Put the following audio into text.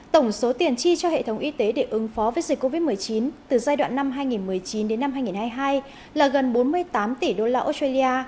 tổng số tiền chi cho hệ thống y tế để ứng phó với dịch covid một mươi chín từ giai đoạn năm hai nghìn một mươi chín đến năm hai nghìn hai mươi hai là gần bốn mươi tám tỷ đô la australia